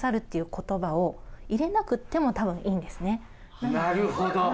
なるほど。